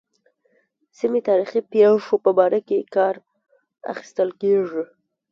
سیمې تاریخي پېښو په باره کې کار اخیستل کېږي.